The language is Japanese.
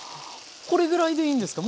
これぐらいでいいんですか？